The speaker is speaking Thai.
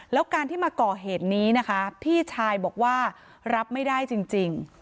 แล้วการที่มาก่อเหตุนี้นะคะพี่ชายบอกว่ารับไม่ได้จริง